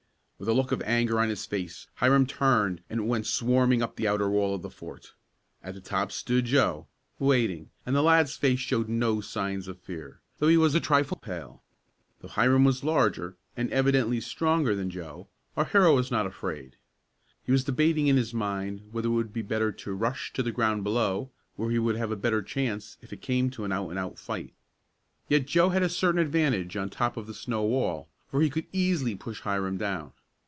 With a look of anger on his face, Hiram turned and went swarming up the outer wall of the fort. At the top stood Joe, waiting, and the lad's face showed no signs of fear, though he was a trifle pale. Though Hiram was larger, and evidently stronger than Joe, our hero was not afraid. He was debating in his mind whether it would not be better to rush to the ground below, where he would have a better chance if it came to an out and out fight. Yet Joe had a certain advantage on top of the snow wall, for he could easily push Hiram down.